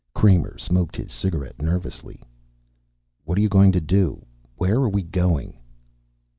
Kramer smoked his cigarette nervously. "What are you going to do? Where are we going?"